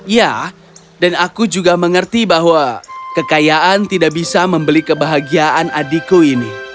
ya dan aku juga mengerti bahwa kekayaan tidak bisa membeli kebahagiaan adikku ini